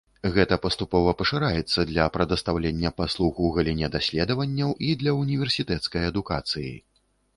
Гэта паступова пашыраецца для прадастаўлення паслуг у галіне даследаванняў і для універсітэцкай адукацыі.